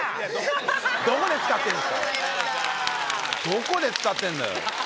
どこで使ってんだよ！